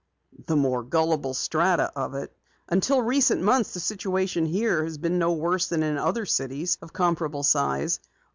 "The more gullible strata of it. Until recent months the situation here has been no worse than in other cities of comparable size.